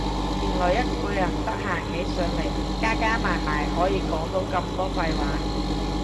原來一個人得閒起上嚟加加埋埋可以講到咁多廢話